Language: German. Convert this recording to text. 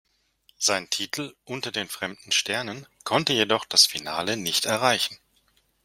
Sein Titel "Unter fremden Sternen" konnte jedoch das Finale nicht erreichen.